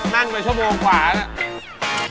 นั่งไปชั่วโบค่าแล้ว